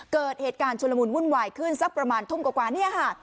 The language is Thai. เกิดเหตุการณ์ชุลมุนวุ่นวายขึ้นสักประมาณทุ่มกว่าเนี่ยค่ะ